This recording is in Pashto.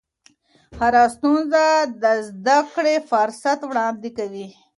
هره ستونزه د زده کړې فرصت وړاندې کوي.